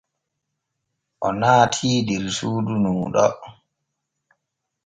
O naatii der suudu nuu ɗo.